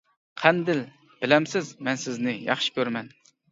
-قەندىل، بىلەمسىز، مەن سىزنى ياخشى كۆرىمەن.